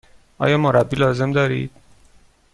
آیا مربی لازم دارید؟